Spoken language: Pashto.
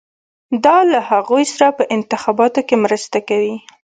دا له هغوی سره په انتخاباتو کې مرسته کوي.